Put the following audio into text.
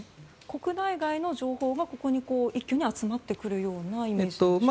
国内外の情報がここに一挙に集まってくるようなイメージでしょうか。